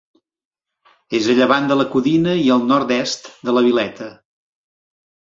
És a llevant de la Codina i al nord-est de la Vileta.